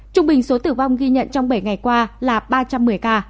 trung bình số tử vong ghi nhận trong bảy ngày qua là ba trăm một mươi ca